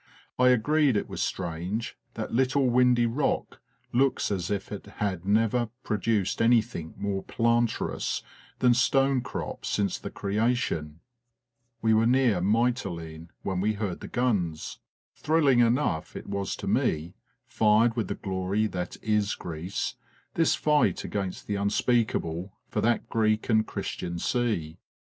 I agreed it was strange that little windy rock looks as if it had never pro duced anything more planturous than stonecrop since the Creation. We were near Mytilene when we heard the guns. Thrilling enough it was to me fired with the glory that is Greece this fight against the Unspeakable for that Greek and Christian sea.